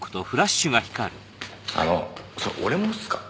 あのそれ俺もっすか？